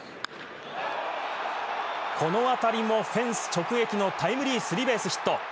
このあたりもフェンス直撃のタイムリースリーベースヒット！